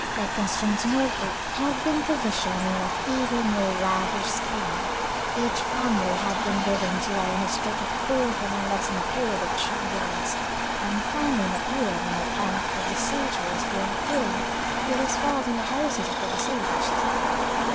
But Constantinople had been provisioned on an even more lavish scale; each family had been bidden to lay in a stock of corn for no less a period than two years, and famine appeared in the camp of the besiegers long ere it was felt in the houses of the besieged.